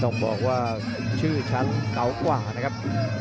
ต้องบอกว่าชื่อฉันเก๋ากว่านะครับ